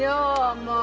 もう。